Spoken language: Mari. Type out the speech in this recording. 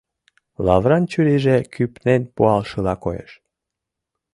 Лавран чурийже кӱпнен пуалшыла коеш.